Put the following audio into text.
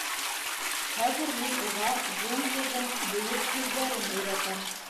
— Хәҙер мин уға Джунглиҙың Бөйөк һүҙҙәрен өйрәтәм.